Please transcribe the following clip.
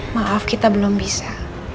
maaf kita belum bisa